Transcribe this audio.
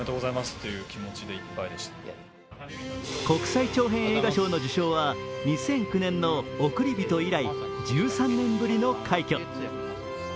国際長編映画賞の受賞は２００９年の「おくりびと」以来１３年ぶりの快挙。